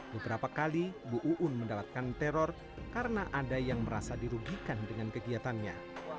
beberapa kali bu uun mendapatkan teror karena ada yang merasa dirugikan dengan kegiatannya